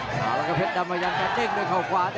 อื้อหือจังหวะขวางแล้วพยายามจะเล่นงานด้วยซอกแต่วงใน